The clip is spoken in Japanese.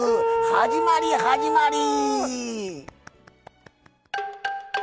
始まり始まり！